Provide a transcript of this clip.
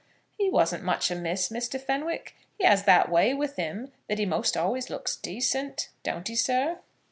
"He wasn't much amiss, Mr. Fenwick. He has that way with him that he most always looks decent; don't he, sir?"